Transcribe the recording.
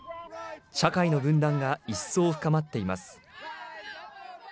社会の分断が一層深まっています。